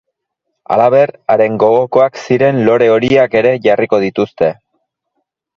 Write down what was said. Halaber, haren gogokoak ziren lore horiak ere jarriko dituzte.